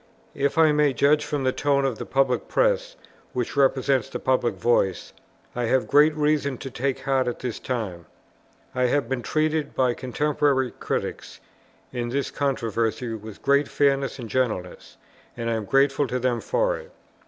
If I may judge from the tone of the public press, which represents the public voice, I have great reason to take heart at this time. I have been treated by contemporary critics in this controversy with great fairness and gentleness, and I am grateful to them for it.